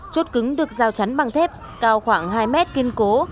chốt cứng được giao chắn bằng thép cao khoảng hai mét kiên cố